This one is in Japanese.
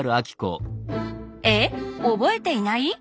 えっおぼえていない？